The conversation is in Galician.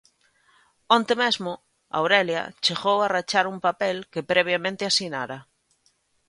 Onte mesmo Aurelia chegou a rachar un papel que previamente asinara.